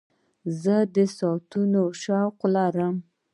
زه د ساعتونو شوق لرم.